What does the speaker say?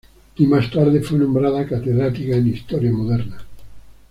Y más tarde fue nombrada catedrática en Historia Moderna.